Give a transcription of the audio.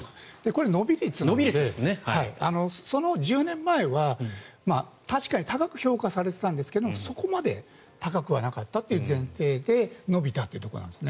これは伸び率なのでその１０年前は、確かに高く評価されていたんですがそこまで高くはなかったという前提で伸びたというところなんです。